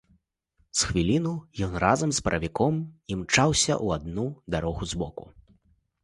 З хвіліну ён, разам з паравіком, імчаўся ў адну дарогу збоку.